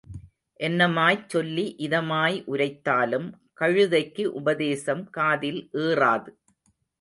என்னமாய்ச் சொல்லி இதமாய் உரைத்தாலும் கழுதைக்கு உபதேசம் காதில் ஏறாது.